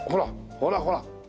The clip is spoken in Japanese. ほらほら！